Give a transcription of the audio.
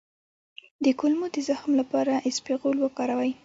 د کولمو د زخم لپاره اسپغول وکاروئ